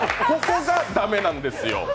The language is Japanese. ここが駄目なんですよ。